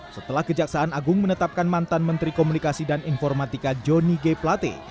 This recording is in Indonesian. setelah kejaksaan agung menetapkan mantan menteri komunikasi dan informatika johnny g plate